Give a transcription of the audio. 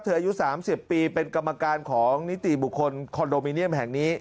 อายุ๓๐ปีเป็นกรรมการของนิติบุคคลคอนโดมิเนียมแห่งนี้